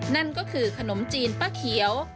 นั่นก็คือขนมจีนป้าเขียว